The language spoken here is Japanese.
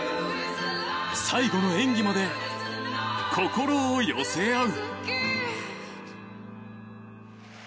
最後の演技まで心を寄せ合う。